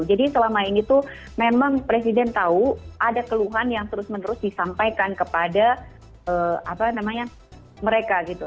jadi selama ini tuh memang presiden tahu ada keluhan yang terus menerus disampaikan kepada apa namanya mereka gitu